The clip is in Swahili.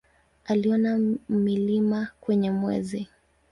Aliona milima kwenye Mwezi.